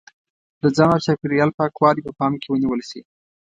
د ځان او چاپېریال پاکوالی په پام کې ونیول شي.